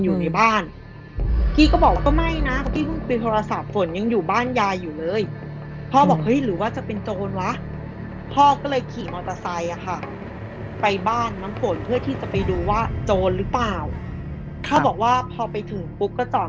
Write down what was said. โจรหรือเปล่าเขาบอกว่าพอไปถึงปุ๊บก็จอด